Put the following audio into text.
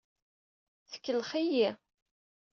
Tkellex-iyi.